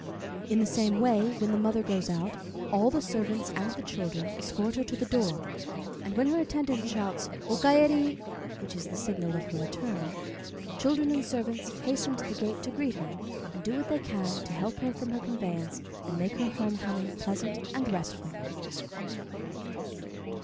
In the same way, when the mother goes out, all the servants and the children escort her to the door; and when her attendant shouts "O kaeri," which is the signal of her return, children and servants hasten to the gate to greet her, and do what they can to help her from her conveyance and make her home coming pleasant and restful.